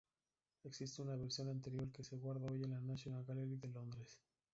Existe una versión anterior que se guarda hoy en la National Gallery de Londres.